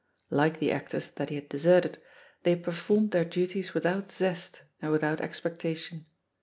Like the actors that he had deserted, they performed their duties without zest and without expectation.